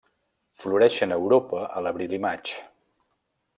Floreixen a Europa a l'abril i maig.